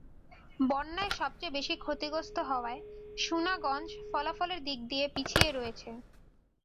বন্যায় সবচেয়ে বেশি ক্ষতিগ্রস্ত হওয়ায় সুনাগঞ্জ ফলাফলের দিক দিয়ে পিছিয়ে রয়েছে।